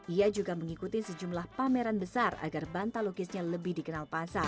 ia juga mengikuti sejumlah pameran besar agar bantal lukisnya lebih dikenal pasar